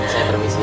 saya permisi ya